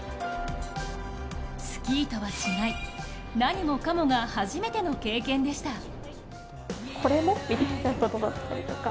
スキーとは違い何もかもが初めての経験でした。